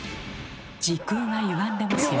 時空がゆがんでますよ。